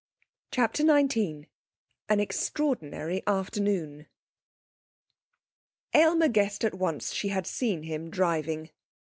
CHAPTER XIX An Extraordinary Afternoon Aylmer guessed at once she had seen him driving.